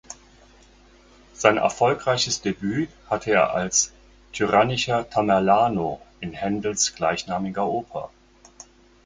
Sein erfolgreiches Debüt hatte er als tyrannischer "Tamerlano" in Händels gleichnamiger Oper.